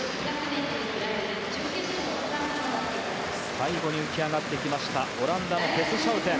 最後に浮き上がってきたのはオランダのテス・シャウテン。